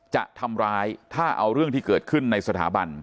จะทำร้ายถ้าเอาเรื่องที่เกิดขึ้นในสถาบัน